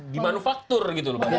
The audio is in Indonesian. di manufaktur gitu pak vito